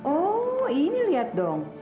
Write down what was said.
oh ini lihat dong